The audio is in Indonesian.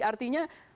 artinya di persekusi